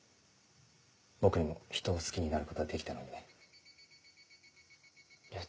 僕にも人を好きになることはできたのにね。